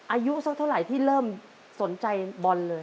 อายุสักเท่าไหร่ที่เริ่มสนใจบอลเลย